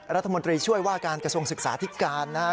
รัฐมนตรีช่วยว่าการกระทรวงศึกษาธิการนะครับ